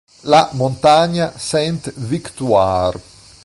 La montagna Sainte-Victoire